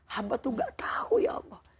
hamba tuh gak tahu ya allah